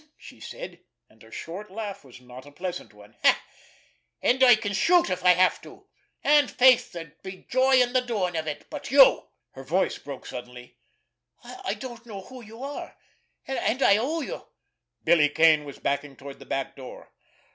she said, and her short laugh was not a pleasant one. "And I can shoot if I have to, and, faith, there'd be joy in the doin' of it; but you"—her voice broke suddenly—"I don't know who you are, and I owe you——" Billy Kane was backing toward the rear door.